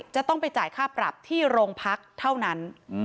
จะต้องไปจ่ายค่าปรับที่โรงพักเท่านั้น